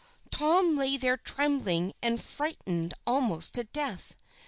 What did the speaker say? Tom lay there trembling and frightened almost to death.